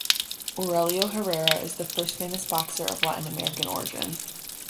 Aurelio Herrera is the first famous boxer of Latin American origin.